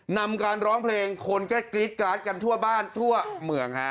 นำการร้องเพลงคนก็กรี๊ดกราดกันทั่วบ้านทั่วเมืองฮะ